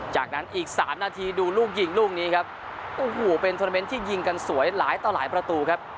จากนั้นอีกสามนาทีดูลูกยิงลูกนี้ครับโอ้โหเป็นโทรเมนต์ที่ยิงกันสวยหลายต่อหลายประตูครับ